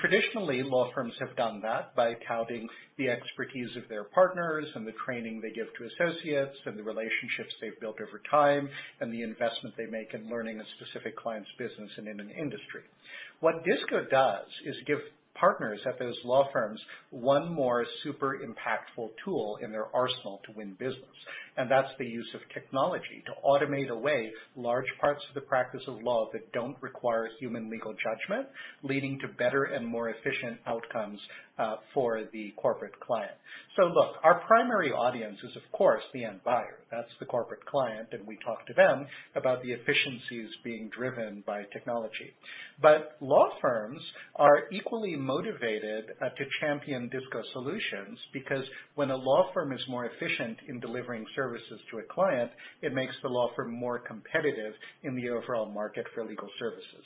Traditionally, law firms have done that by touting the expertise of their partners, and the training they give to associates, and the relationships they've built over time, and the investment they make in learning a specific client's business and in an industry. What DISCO does is give partners at those law firms one more super impactful tool in their arsenal to win business. That's the use of technology to automate away large parts of the practice of law that don't require human legal judgment, leading to better and more efficient outcomes for the corporate client. Look, our primary audience is, of course, the end buyer. That's the corporate client, and we talk to them about the efficiencies being driven by technology. Law firms are equally motivated to champion DISCO solutions, because when a law firm is more efficient in delivering services to a client, it makes the law firm more competitive in the overall market for legal services.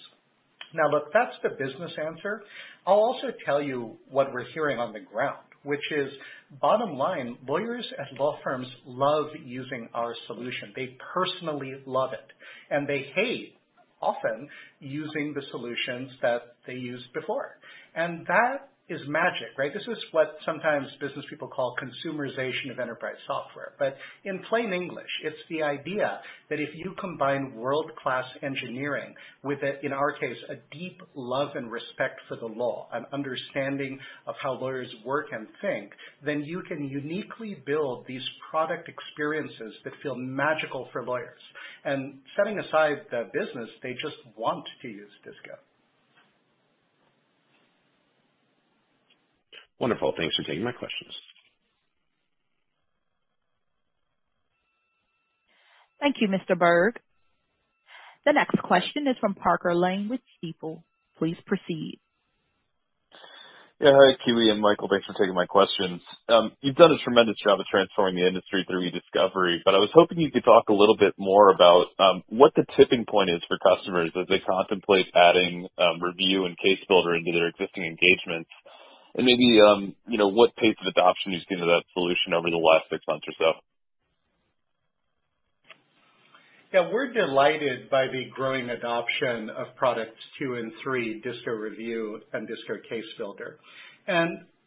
Now, look, that's the business answer. I'll also tell you what we're hearing on the ground, which is, bottom line, lawyers at law firms love using our solution. They personally love it, they hate often using the solutions that they used before. That is magic, right? This is what sometimes business people call consumerization of enterprise software. In plain English, it's the idea that if you combine world-class engineering with a, in our case, a deep love and respect for the law, an understanding of how lawyers work and think, then you can uniquely build these product experiences that feel magical for lawyers. Setting aside the business, they just want to use DISCO. Wonderful. Thanks for taking my questions. Thank you, Mr. Berg. The next question is from Parker Lane with Stifel. Please proceed. Hi, Kiwi and Michael. Thanks for taking my questions. You've done a tremendous job of transforming the industry through eDiscovery, but I was hoping you could talk a little bit more about what the tipping point is for customers as they contemplate adding Review and Case Builder into their existing engagements. Maybe what pace of adoption you've seen with that solution over the last six months or so. Yeah. We're delighted by the growing adoption of products two and three, DISCO Review and DISCO Case Builder.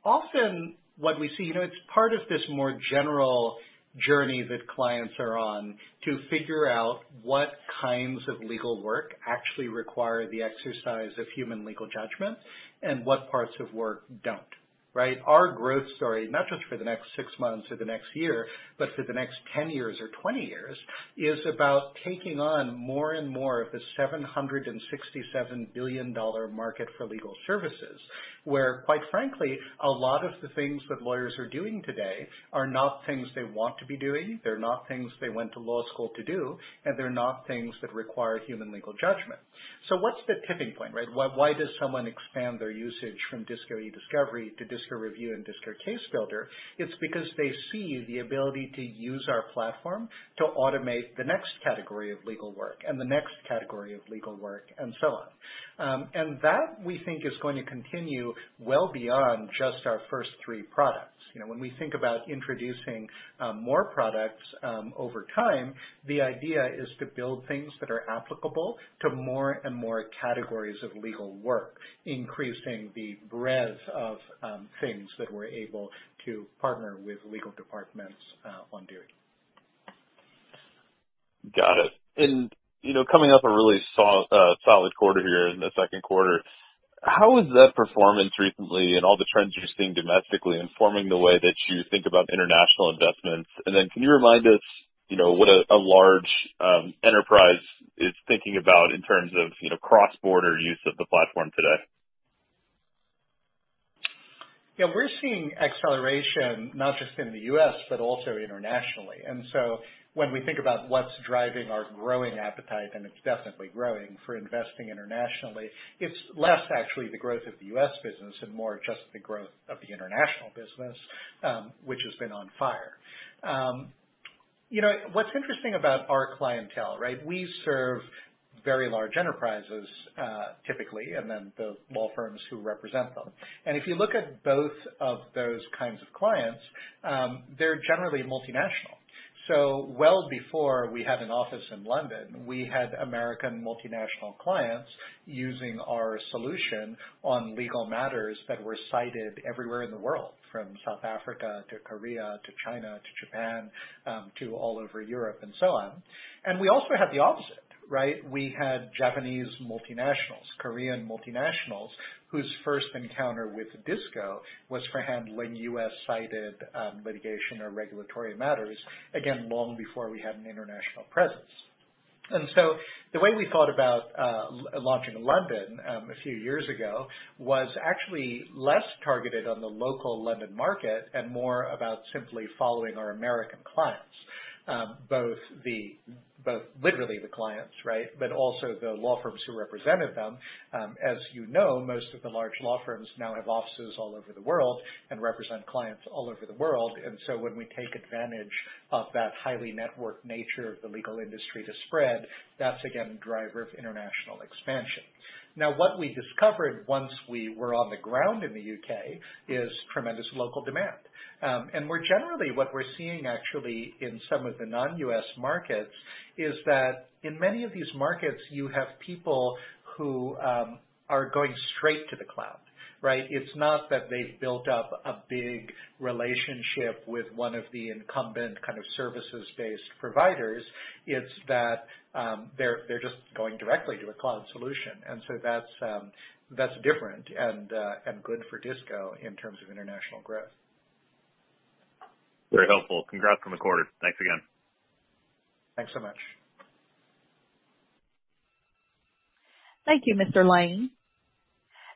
Often what we see, it's part of this more general journey that clients are on to figure out what kinds of legal work actually require the exercise of human legal judgment and what parts of work don't, right? Our growth story, not just for the next six months or the next year, but for the next 10 years or 20 years, is about taking on more and more of the $767 billion market for legal services, where, quite frankly, a lot of the things that lawyers are doing today are not things they want to be doing, they're not things they went to law school to do, and they're not things that require human legal judgment. What's the tipping point, right? Why does someone expand their usage from DISCO Ediscovery to DISCO Review and DISCO Case Builder? It's because they see the ability to use our platform to automate the next category of legal work, and the next category of legal work, and so on. That, we think, is going to continue well beyond just our first three products. When we think about introducing more products over time, the idea is to build things that are applicable to more and more categories of legal work, increasing the breadth of things that we're able to partner with legal departments on doing. Got it. Coming off a really solid quarter here in the second quarter, how is that performance recently and all the trends you're seeing domestically informing the way that you think about international investments? Can you remind us what a large enterprise is thinking about in terms of cross-border use of the platform today? Yeah. We're seeing acceleration not just in the U.S., but also internationally. When we think about what's driving our growing appetite, and it's definitely growing, for investing internationally, it's less actually the growth of the U.S. business and more just the growth of the international business, which has been on fire. What's interesting about our clientele, right? We serve very large enterprises, typically, and then the law firms who represent them. If you look at both of those kinds of clients, they're generally multinational. Well before we had an office in London, we had American multinational clients using our solution on legal matters that were cited everywhere in the world, from South Africa to Korea to China to Japan, to all over Europe and so on. We also had the opposite, right? We had Japanese multinationals, Korean multinationals, whose first encounter with DISCO was for handling U.S.-sited litigation or regulatory matters, again, long before we had an international presence. The way we thought about launching in London a few years ago was actually less targeted on the local London market and more about simply following our American clients, both literally the clients, right, but also the law firms who represented them. As you know, most of the large law firms now have offices all over the world and represent clients all over the world. When we take advantage of that highly networked nature of the legal industry to spread, that's again a driver of international expansion. Now, what we discovered once we were on the ground in the U.K. is tremendous local demand. More generally, what we're seeing actually in some of the non-U.S. markets is that in many of these markets, you have people who are going straight to the cloud, right. It's not that they've built up a big relationship with one of the incumbent kind of services-based providers. It's that they're just going directly to a cloud solution. That's different and good for DISCO in terms of international growth. Very helpful. Congrats on the quarter. Thanks again. Thanks so much. Thank you, Mr. Lane.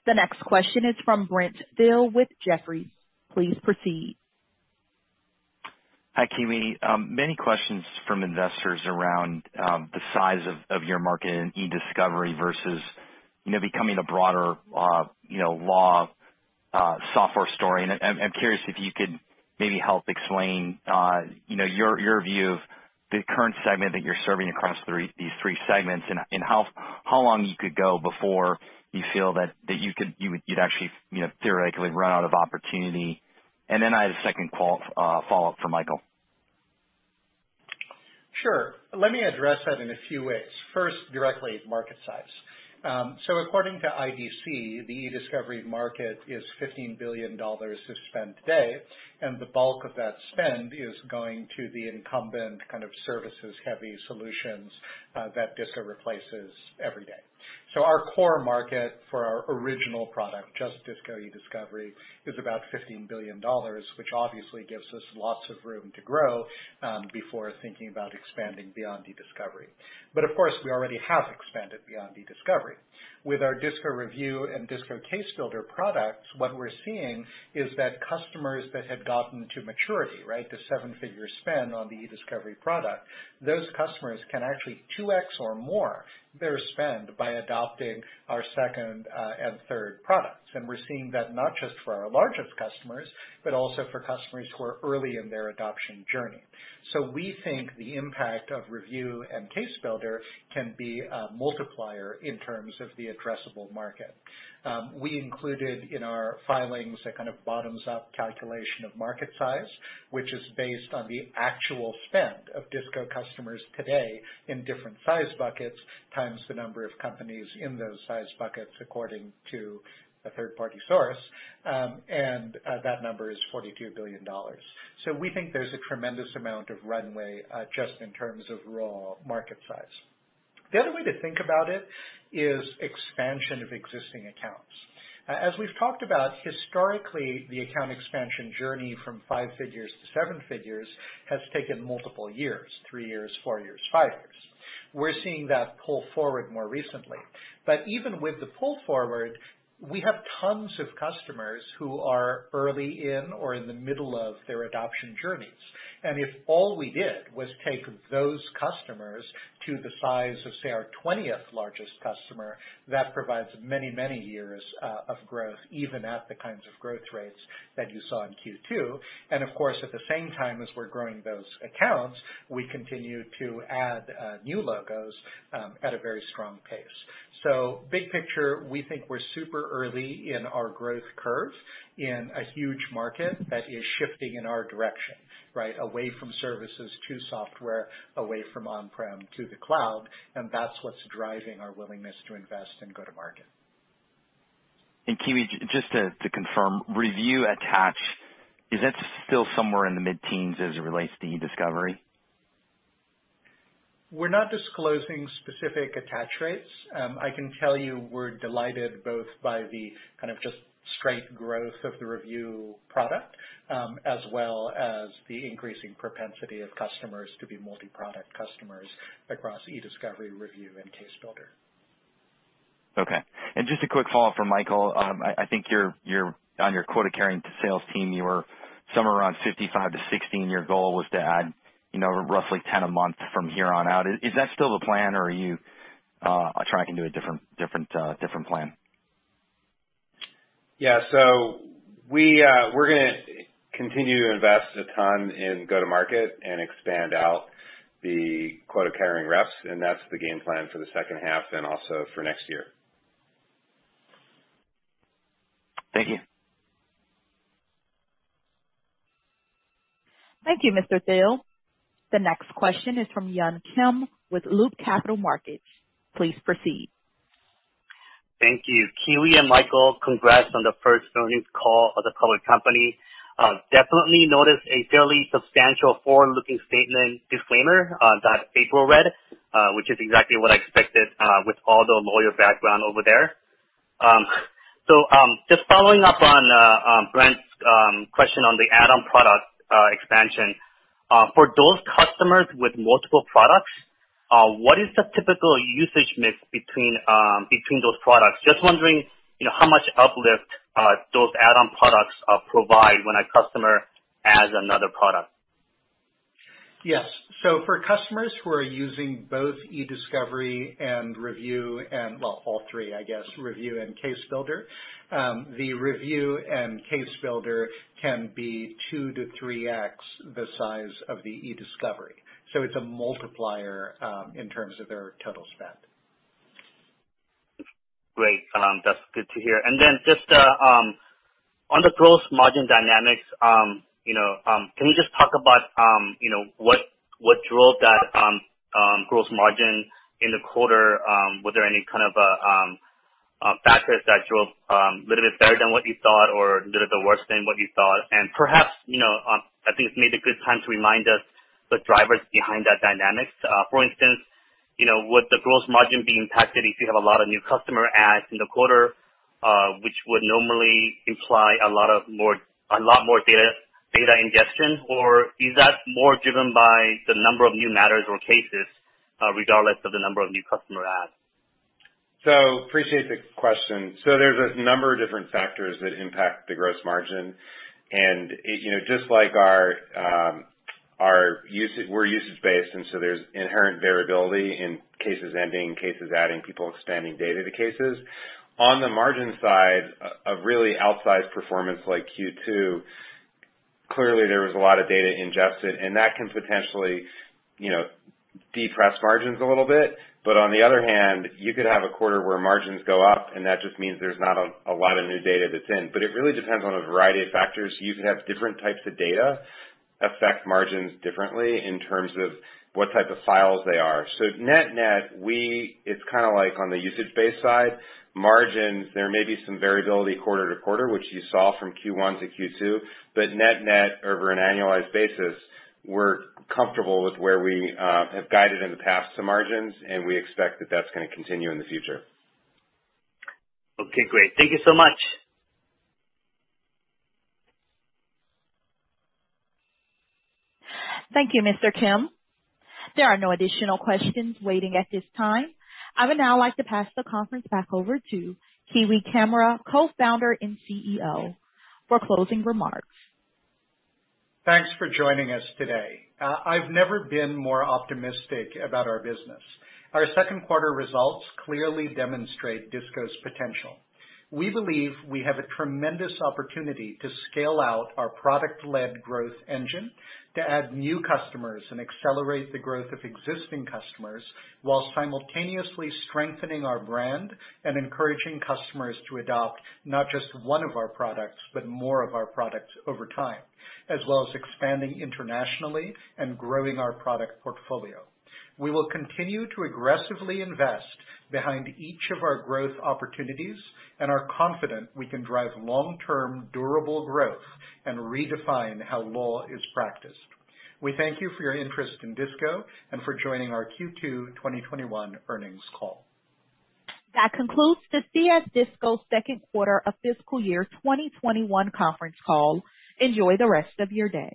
The next question is from Brent Thill with Jefferies. Please proceed. Hi, Kiwi. Many questions from investors around the size of your market in eDiscovery versus becoming a broader law software story. I'm curious if you could maybe help explain your view of the current segment that you're serving across these three segments and how long you could go before you feel that you'd actually theoretically run out of opportunity. Then I had a second follow-up for Michael. Sure. Let me address that in a few ways. First, directly is market size. According to IDC, the eDiscovery market is $15 billion of spend today, and the bulk of that spend is going to the incumbent services-heavy solutions that DISCO replaces every day. Our core market for our original product, just DISCO Ediscovery, is about $15 billion, which obviously gives us lots of room to grow before thinking about expanding beyond eDiscovery. Of course, we already have expanded beyond eDiscovery. With our DISCO Review and DISCO Case Builder products, what we're seeing is that customers that had gotten to maturity, the seven-figure spend on the eDiscovery product, those customers can actually 2x or more their spend by adopting our second and third products. We're seeing that not just for our largest customers, but also for customers who are early in their adoption journey. We think the impact of Review and Case Builder can be a multiplier in terms of the addressable market. We included in our filings a kind of bottoms-up calculation of market size, which is based on the actual spend of DISCO customers today in different size buckets, times the number of companies in those size buckets, according to a third-party source, and that number is $42 billion. We think there's a tremendous amount of runway, just in terms of raw market size. The other way to think about it is expansion of existing accounts. As we've talked about, historically, the account expansion journey from five figures to seven figures has taken multiple years, three years, four years, five years. We're seeing that pull forward more recently. Even with the pull forward, we have tons of customers who are early in or in the middle of their adoption journeys. If all we did was take those customers to the size of, say, our 20th largest customer, that provides many, many years of growth, even at the kinds of growth rates that you saw in Q2. Of course, at the same time as we're growing those accounts, we continue to add new logos at a very strong pace. Big picture, we think we're super early in our growth curve in a huge market that is shifting in our direction, away from services to software, away from on-prem to the cloud, and that's what's driving our willingness to invest and go to market. Kiwi, just to confirm, Review attach, is that still somewhere in the mid-teens as it relates to eDiscovery? We're not disclosing specific attach rates. I can tell you we're delighted both by the just straight growth of the Review product, as well as the increasing propensity of customers to be multi-product customers across eDiscovery, Review, and Case Builder. Okay. Just a quick follow-up for Michael. I think on your quota-carrying sales team, you were somewhere around 55-60, and your goal was to add roughly 10 a month from here on out. Is that still the plan, or are you tracking to a different plan? Yeah. We're going to continue to invest a ton in go-to-market and expand out the quota-carrying reps, and that's the game plan for the second half and also for next year. Thank you. Thank you, Mr. Thill. The next question is from Yun Kim with Loop Capital Markets. Please proceed. Thank you. Kiwi and Michael, congrats on the first earnings call of the public company. Definitely noticed a fairly substantial forward-looking statement disclaimer that April read, which is exactly what I expected with all the lawyer background over there. Just following up on Brent's question on the add-on product expansion. For those customers with multiple products, what is the typical usage mix between those products? Just wondering how much uplift those add-on products provide when a customer adds another product. Yes. For customers who are using both eDiscovery and Review and, well, all three, I guess, Review and Case Builder, the Review and Case Builder can be 2x to 3x the size of the eDiscovery. It's a multiplier in terms of their total spend. Great. That's good to hear. Just on the gross margin dynamics, can we just talk about what drove that gross margin in the quarter? Was there any kind of factors that drove a little bit better than what you thought or a little bit worse than what you thought? Perhaps, I think it's maybe a good time to remind us the drivers behind that dynamics. For instance, would the gross margin be impacted if you have a lot of new customer adds in the quarter, which would normally imply a lot more data ingestion, or is that more driven by the number of new matters or cases, regardless of the number of new customer adds? Appreciate the question. There's a number of different factors that impact the gross margin, and we're usage-based, and so there's inherent variability in cases ending, cases adding, people expanding data to cases. On the margin side, a really outsized performance like Q2, clearly there was a lot of data ingested, and that can potentially depress margins a little bit. On the other hand, you could have a quarter where margins go up, and that just means there's not a lot of new data that's in. It really depends on a variety of factors. You could have different types of data affect margins differently in terms of what type of files they are. Net net, on the usage-based side, margins, there may be some variability quarter to quarter, which you saw from Q1 to Q2, but net net, over an annualized basis, we're comfortable with where we have guided in the past to margins, and we expect that that's going to continue in the future. Okay, great. Thank you so much. Thank you, Mr. Kim. There are no additional questions waiting at this time. I would now like to pass the conference back over to Kiwi Camara, Co-founder and CEO, for closing remarks. Thanks for joining us today. I've never been more optimistic about our business. Our second quarter results clearly demonstrate DISCO's potential. We believe we have a tremendous opportunity to scale out our product-led growth engine to add new customers and accelerate the growth of existing customers while simultaneously strengthening our brand and encouraging customers to adopt not just one of our products, but more of our products over time, as well as expanding internationally and growing our product portfolio. We will continue to aggressively invest behind each of our growth opportunities and are confident we can drive long-term durable growth and redefine how law is practiced. We thank you for your interest in DISCO and for joining our Q2 2021 earnings call. That concludes the CS Disco second quarter of fiscal year 2021 conference call. Enjoy the rest of your day.